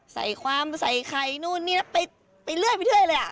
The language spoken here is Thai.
ใส่ความใส่ใครนู่นนี่ไปเลือดพิเทื่อยเลย